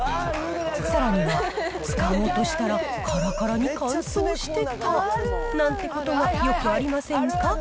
さらには、使おうとしたらからからに乾燥してたなんてことがよくありませんか？